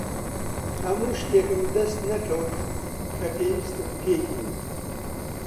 هەموو شتێکم دەست نەکەوت کە پێویستم پێی بوو.